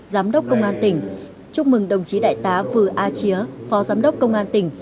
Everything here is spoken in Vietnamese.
giám đốc công an tỉnh chúc mừng đồng chí đại tá vừa a chía phó giám đốc công an tỉnh